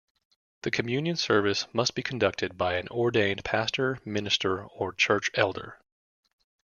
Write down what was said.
The communion service must be conducted by an ordained pastor, minister or church elder.